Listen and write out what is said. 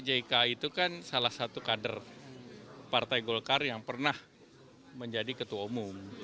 jk itu kan salah satu kader partai golkar yang pernah menjadi ketua umum